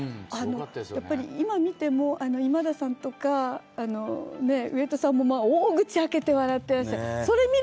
今見ても、今田さんとか、上戸さんも、大口開けて、笑っていらっしゃる。